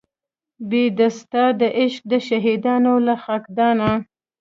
بې د ستا د عشق د شهیدانو له خاکدانه